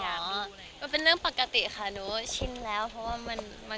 ใช่โอ้โหดีมากมากจริงราคอนโปรดเลย